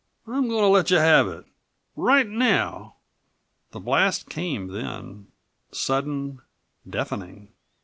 I'm going to let you have it, right now!" The blast came then, sudden, deafening.